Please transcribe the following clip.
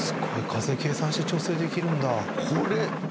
風計算して調整できるんだ。